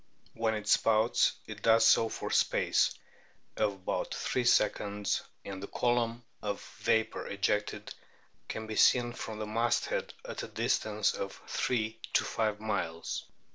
When it spouts it does so for the space of about three seconds, and the column of vapour ejected can be seen from the masthead at a distance of three to five miles.